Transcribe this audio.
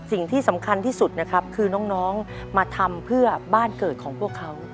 สิ่งที่สำคัญที่สุดนะครับคือน้องมาทำเพื่อบ้านเกิดของพวกเขา